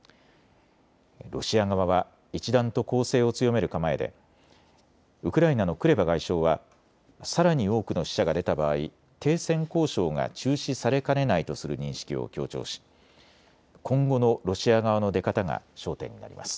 ロシア側は一段と攻勢を強める構えでウクライナのクレバ外相はさらに多くの死者が出た場合停戦交渉が中止されかねないとする認識を強調し今後のロシア側の出方が焦点になります。